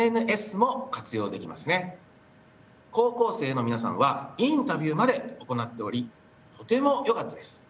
高校生の皆さんはインタビューまで行っておりとてもよかったです。